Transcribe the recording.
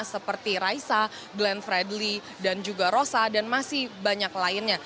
seperti raisa glenn fredly dan juga rosa dan masih banyak lainnya